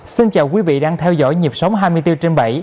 xin chào quý vị đang theo dõi nhịp sống hai mươi bốn trên bảy